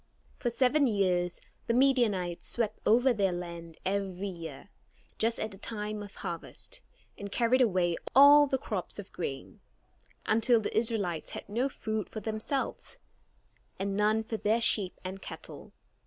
For seven years the Midianites swept over their land every year, just at the time of harvest, and carried away all the crops of grain, until the Israelites had no food for themselves, and none for their sheep and cattle.